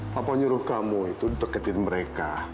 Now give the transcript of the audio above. papa nyuruh kamu itu deketin mereka